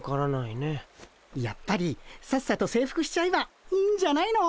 やっぱりさっさと征服しちゃえばいいんじゃないの。